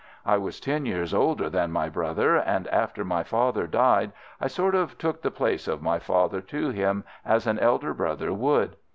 I was ten years older than my brother, and after my father died I sort of took the place of a father to him, as an elder brother would.